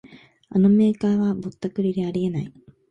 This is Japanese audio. あのメーカーはぼったくりであり得ない